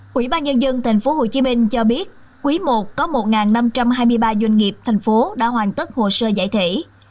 quỹ ban nhân dân tp hcm cho biết quý i có một năm trăm hai mươi ba doanh nghiệp thành phố đã hoàn tất hồ sơ giải thể